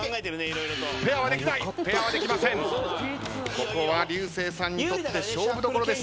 ここは竜星さんにとって勝負どころでした。